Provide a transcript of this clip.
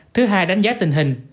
thứ hai đánh giá tình hình